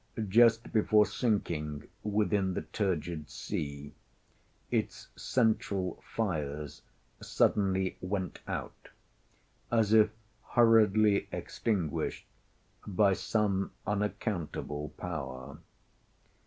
Just before sinking within the turgid sea, its central fires suddenly went out, as if hurriedly extinguished by some unaccountable power.